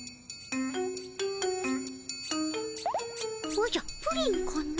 おじゃプリンかの？